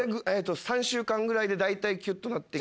３週間ぐらいで大体キュっとなって来て。